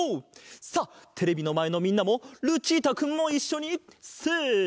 さあテレビのまえのみんなもルチータくんもいっしょにせの！